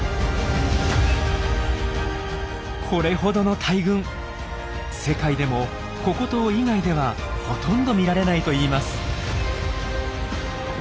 これほどの大群世界でもココ島以外ではほとんど見られないといいます。